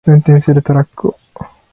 運転するトラックを